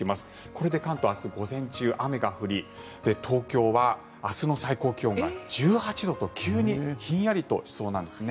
これで関東は明日午前中は雨が降り東京は明日の最高気温が１８度と急にひんやりとしそうなんです。